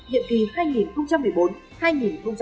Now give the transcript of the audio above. nhiệm kỳ hai nghìn một mươi bốn hai nghìn một mươi sáu